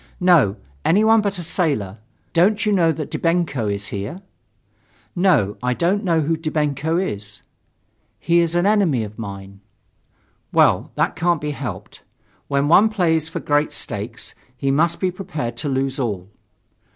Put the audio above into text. "No, anyone but a sailor. Don't you know that Dybenko is here?" "No, I don't know who Dybenko is." "He is an enemy of mine." "Well, that can't be helped. When one plays for great stakes, he must be prepared to lose all."